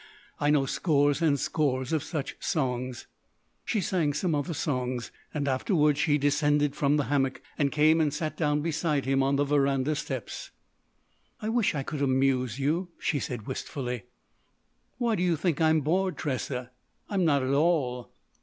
I know scores and scores of such songs." She sang some other songs. Afterward she descended from the hammock and came and sat down beside him on the veranda steps. "I wish I could amuse you," she said wistfully. "Why do you think I'm bored, Tressa? I'm not at all."